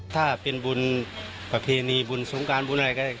ถ้าเป็นบุญประเพณีบุญสงการบุญอะไรก็ได้